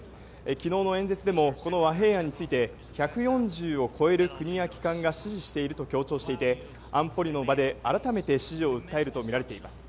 昨日の演説でもこの和平案について１４０を超える国や機関が支持していると強調していて安保理の場で改めて支持を訴えるとみられています。